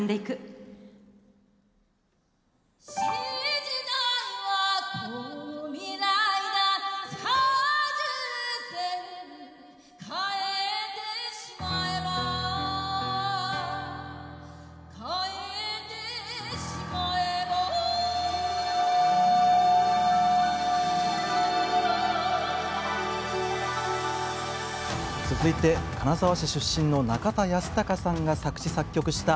新時代はこの未来だ世界中全部変えてしまえば変えてしまえば続いて金沢市出身の中田ヤスタカさんが作詞作曲した「新時代」。